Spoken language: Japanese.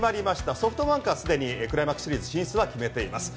ソフトバンクはすでにクライマックス進出は決めています。